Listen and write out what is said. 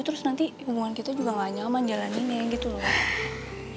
terus nanti hubungan kita juga gak nyaman jalan ini gitu loh